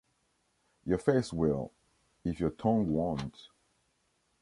Your face will, if your tongue won't.